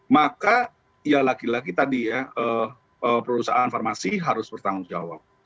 maka lagi lagi perusahaan farmasi harus bertanggung jawab